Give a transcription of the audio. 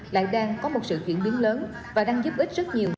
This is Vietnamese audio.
lại đang có một sự chuyển biến lớn và đang giúp ích rất nhiều